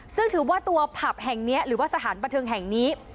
ซึ่งถือว่าตัวผับแห่งนี้หรือว่าสถานบันเทิงแห่งนี้